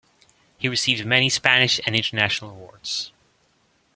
He received many Spanish and international awards.